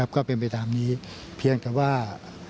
ก็เป็นไปตามนี้เพียงแต่ว่า